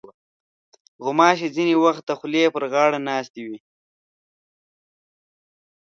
غوماشې ځینې وخت د خولې پر غاړه ناستې وي.